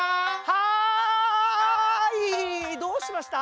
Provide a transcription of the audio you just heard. はいどうしました？